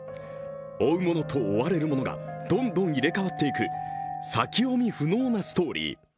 追う者と追われる者がどんどん入れ替わっていく、先読み不能なストーリー。